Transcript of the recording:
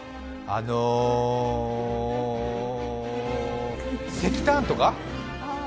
あの、石炭とか？